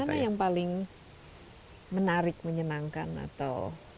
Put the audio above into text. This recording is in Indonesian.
mana yang paling menarik menyenangkan atau